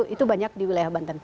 itu banyak di wilayah banten